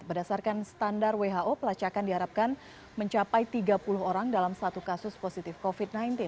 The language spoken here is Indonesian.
berdasarkan standar who pelacakan diharapkan mencapai tiga puluh orang dalam satu kasus positif covid sembilan belas